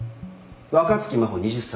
若槻真帆２０歳。